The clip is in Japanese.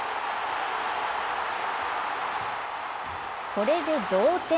これで同点。